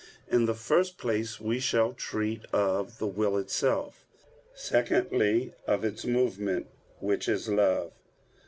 In the first place we shall treat of the will itself; secondly, of its movement, which is love.